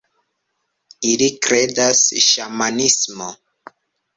Ili kredas ŝamanismon.